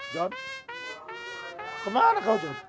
john kemana kau john